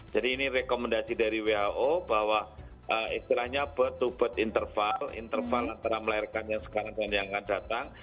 ini rekomendasi dari who bahwa istilahnya bed to bet interval interval antara melahirkan yang sekarang dan yang akan datang